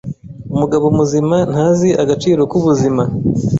Umugabo muzima ntazi agaciro k'ubuzima.